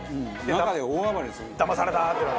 中で大暴れする。